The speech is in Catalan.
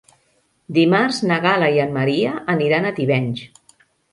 Dimarts na Gal·la i en Maria aniran a Tivenys.